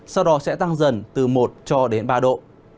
sau đó sẽ tăng dần từ một cho đến ba độ